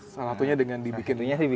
salatunya dengan dibikin kue